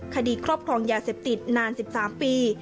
คดีครอบครองยาเสพติดนาน๑๓ปี